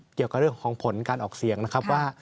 เกี่ยวกับเรื่องของผลการออกเสียงนะครับว่า